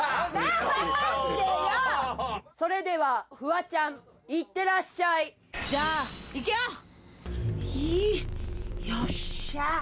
それではフワちゃんいってらっしゃいじゃあいくよいいよっしゃ